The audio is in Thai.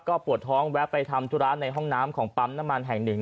ปวดท้องแวะไปทำธุระในห้องน้ำของปั๊มน้ำมันแห่งหนึ่ง